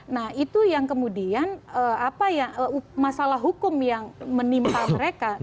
nah itu yang kemudian masalah hukum yang menimpa mereka